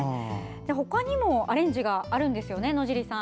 ほかにもアレンジがあるんですよね、野尻さん。